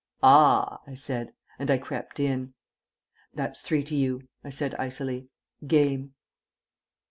"Ah," I said ... and I crept in. "That's three to you," I said icily. "Game."